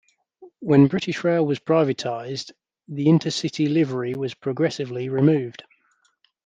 When British Rail was privatised, the Intercity livery was progressively removed.